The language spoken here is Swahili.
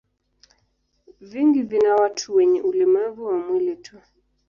Vingi vina watu wenye ulemavu wa mwili tu.